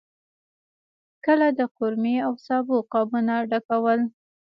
کله د قورمې او سابو قابونه ډکول.